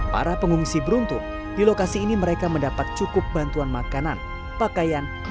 para pengumusi beruntung di lokasi ini mereka mendapat cukup bantuan makanan pakaian dan peralatan